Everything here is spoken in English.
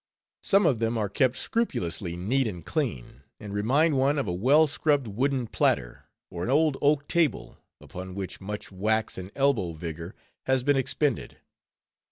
Some of them are kept scrupulously neat and clean, and remind one of a well scrubbed wooden platter, or an old oak table, upon which much wax and elbow vigor has been expended.